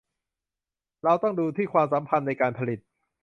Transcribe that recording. เราต้องดูที่ ความสัมพันธ์ในการผลิต